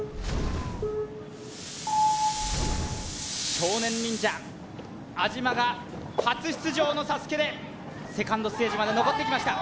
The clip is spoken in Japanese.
少年忍者・安嶋が初出場のＳＡＳＵＫＥでセカンドステージまで残ってきました